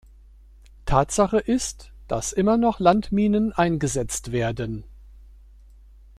Tatsache ist, dass immer noch Landminen eingesetzt werden.